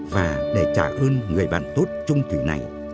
và để trả ơn người bạn tốt trung thủy này